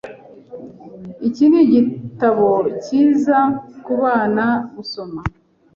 Iki nigitabo cyiza kubana gusoma.